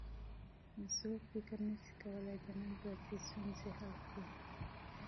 زوړ فکر نسي کولای د نن ورځې ستونزې حل کړي.